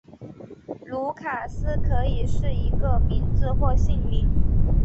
卢卡斯可以是一个名字或姓氏。